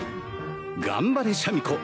頑張れシャミ子